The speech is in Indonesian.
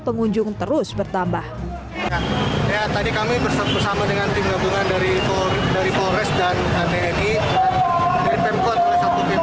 pengunjung terus bertambah ya tadi kami bersama dengan tim gabungan dari dari kores dan ini